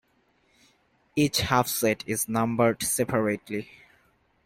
Each half-set is numbered separately.